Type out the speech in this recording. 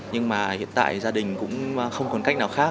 nhưng mà hiện tại gia đình cũng không còn cách nào khác